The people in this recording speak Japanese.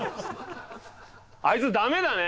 あいつ駄目だね！